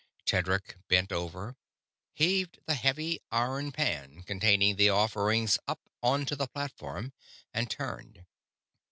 Tedric bent over, heaved the heavy iron pan containing the offerings up onto the platform, and turned.